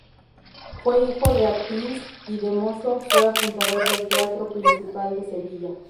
Fue hijo de actriz y de mozo fue apuntador del Teatro Principal de Sevilla.